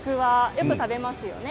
よく食べますよね。